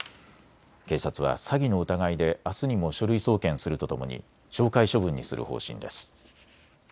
警察は詐欺の疑いであすにも書類送検するとともに懲戒処分にする方針です。